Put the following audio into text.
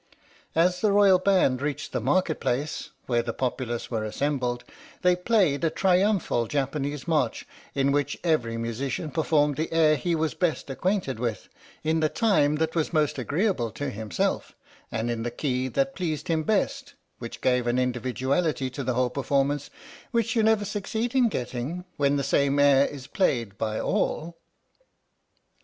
As the Royal Band reached the Market Place, where the populace were assembled, they played a triumphal Japanese march, in which every musician performed the air he was best acquainted with, in the time that was most agreeable to himself, and in the key that pleased him best which gave an individuality to the whole performance which you never succeed in getting when the same air is played by all.